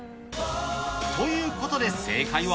ということで、正解は。